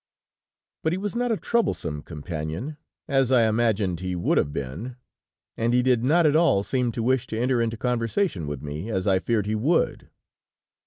"But he was not a troublesome companion, as I imagined he would have been, and he did not at all seem to wish to enter into conversation with me, as I feared he would.